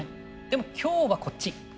でも今日はこっち。